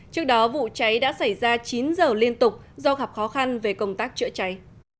trước đó vụ cháy đã xảy ra chín giờ liên tục do gặp khó khăn về công tác chữa cháy